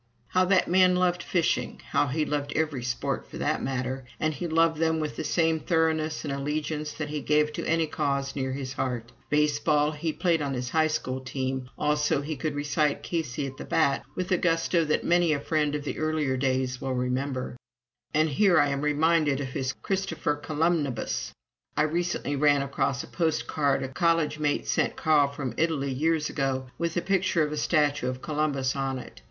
How that man loved fishing! How he loved every sport, for that matter. And he loved them with the same thoroughness and allegiance that he gave to any cause near his heart. Baseball he played on his high school team (also he could recite "Casey at the Bat" with a gusto that many a friend of the earlier days will remember. And here I am reminded of his "Christopher Columnibus." I recently ran across a postcard a college mate sent Carl from Italy years ago, with a picture of a statue of Columbus on it.